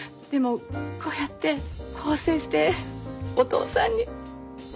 でもこうやって更生してお父さんに。